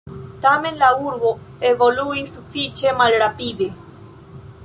Tamen la urbo evoluis sufiĉe malrapide.